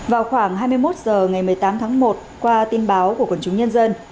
vào khoảng hai mươi một h ngày một mươi tám tháng một qua tin báo của quần chúng nhân dân